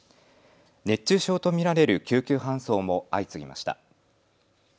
熱中症と見られる救急搬送も相次ぎました。